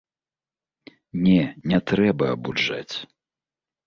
Не, не трэба абуджаць!